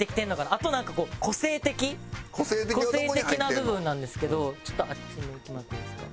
あとなんかこう「個性的」個性的な部分なんですけどちょっとあっち向いてもらっていいですか？